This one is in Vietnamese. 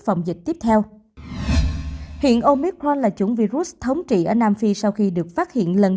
phòng dịch tiếp theo hiện omicron là chủng virus thống trị ở nam phi sau khi được phát hiện lần